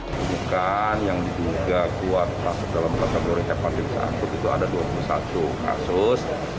kebukaan yang diduga kuat dalam kategori hepatitis akut itu ada dua puluh satu kasus